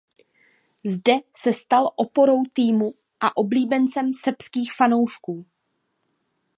Zde se stal oporou týmu a oblíbencem srbských fanoušků.